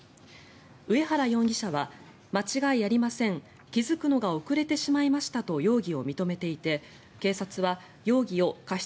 植原容疑者は、間違いありません気付くのが遅れてしまいましたと容疑を認めていて警察は容疑を過失